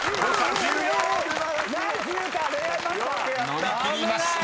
［乗り切りました！